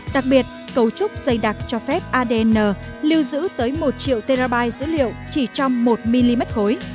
đặc biệt cấu trúc xây đặc cho phép adn lưu giữ tới một triệu terabile dữ liệu chỉ trong một mm khối